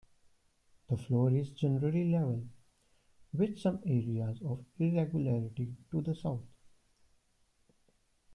The floor is generally level, with some areas of irregularity to the south.